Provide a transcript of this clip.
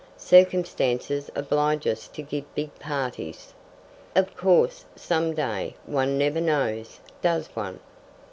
Circumstances oblige us to give big parties. Of course, some day one never knows, does one?"